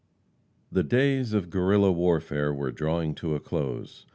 The days of Guerrilla warfare were drawing to a close.